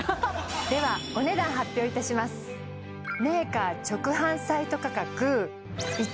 ではお値段発表いたしますお！